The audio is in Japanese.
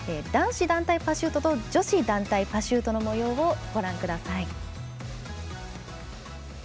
男子団体パシュートと女子団体パシュートのもようをご覧ください。